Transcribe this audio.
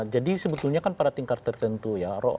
jadi sebetulnya kan pada tingkat tertentu